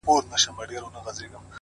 • بيا تس ته سپكاوى كوي بدرنگه ككــرۍ؛